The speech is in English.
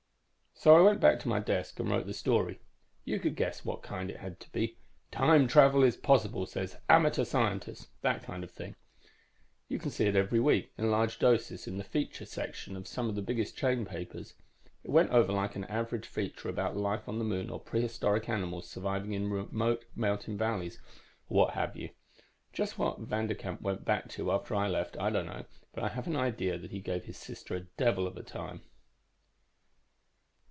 "So I went back to my desk and wrote the story. You could guess what kind it had to be. 'Time Travel Is Possible, Says Amateur Scientist!' that kind of thing. You can see it every week, in large doses, in the feature sections of some of the biggest chain papers. It went over like an average feature about life on the moon or prehistoric animals surviving in remote mountain valleys, or what have you. Just what Vanderkamp went back to after I left, I don't know, but I have an idea that he gave his sister a devil of a time."